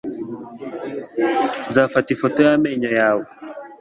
Nzafata ifoto y'amenyo yawe.